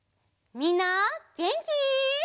みんなげんき？